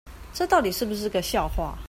這到底是不是個笑話